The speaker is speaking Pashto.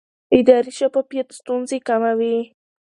اداري شفافیت ستونزې کموي